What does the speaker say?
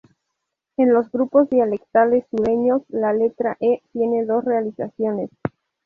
En los grupos dialectales sureños, la letra "e" tiene dos realizaciones.